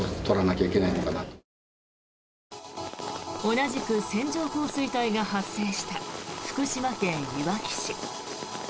同じく線状降水帯が発生した福島県いわき市。